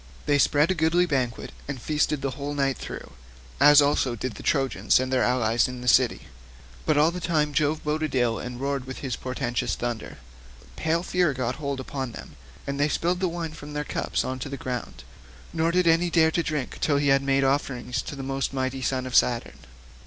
They spread a goodly banquet and feasted the whole night through, as also did the Trojans and their allies in the city. But all the time Jove boded them ill and roared with his portentous thunder. Pale fear got hold upon them, and they spilled the wine from their cups on to the ground, nor did any dare drink till he had made offerings to the most mighty son of Saturn.